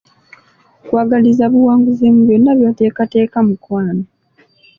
Nkwagaliza buwanguzi mu byonna by’oteekateeka mukwano.